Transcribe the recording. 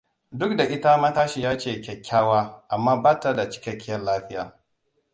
Duk da ita matashiya ce kyakkyawa, amma ba ta da cikakkiyar lafiya.